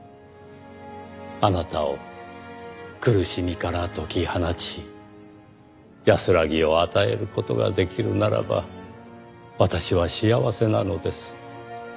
「あなたを苦しみから解き放ち安らぎを与える事ができるならば私は幸せなのです」